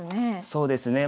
そうですね。